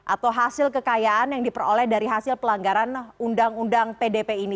atau hasil kekayaan yang diperoleh dari hasil pelanggaran undang undang pdp ini